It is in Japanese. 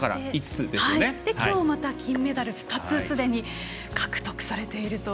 きょうまた金メダル２つすでに獲得されていると。